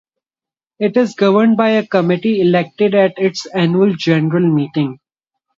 It is governed by a Committee elected at its Annual General Meeting.